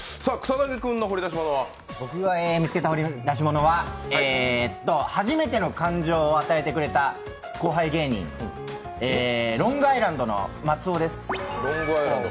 僕は見つけた掘り出し物は、初めての感情を与えてくれた後輩芸人、ロングアイランドの松尾です。